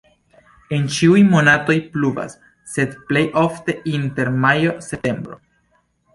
En ĉiuj monatoj pluvas, sed plej ofte inter majo-septembro.